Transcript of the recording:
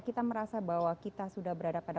kita merasa bahwa kita sudah berada pada